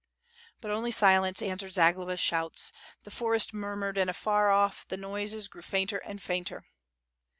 But only silence answered to Zagloba's shouts; the forest murmured, and afar off, the noises grew fainter and fainter.